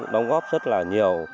đóng góp rất là nhiều